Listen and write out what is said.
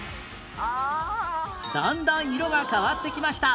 だんだん色が変わってきました